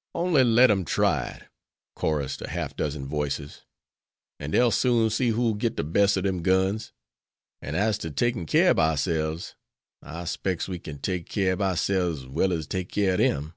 '" "Only let 'em try it," chorused a half dozen voices, "an' dey'll soon see who'll git de bes' ob de guns; an' as to taking keer ob ourselves, I specs we kin take keer ob ourselves as well as take keer ob dem."